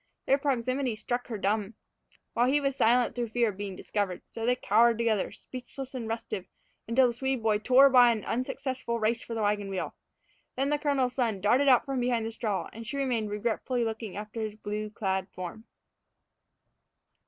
Their proximity struck her dumb, while he was silent through fear of being discovered. So they cowered together, speechless and restive, until the Swede boy tore by in an unsuccessful race for the wagon wheel. Then the colonel's son darted out from behind the straw, and she remained regretfully looking after his blue clad form.